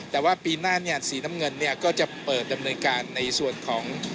แต่ปีหน้าสีน้ำเงินก็จะเปิดอำนวยการในส่วนของ